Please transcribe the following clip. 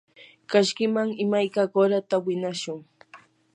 kashkiman imayka qurata winashun.